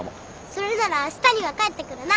それならあしたには帰ってくるな。